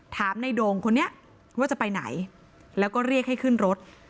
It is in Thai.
ถามในโด่งคนนี้ว่าจะไปไหนแล้วก็เรียกให้ขึ้นรถ